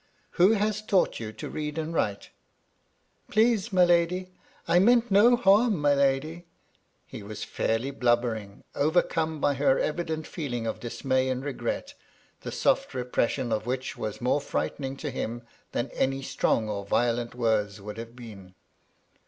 " Who has taught you to read and write?" "Please, my lady, I meant no harm, my lady." He was fairly blubbering, overcome by her evident feeling of dismay and regret, the soft repression of which was more frightening to him than any strong or violent words would have been.